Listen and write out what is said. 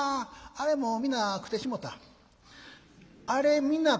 「『あれ皆食てしもた』？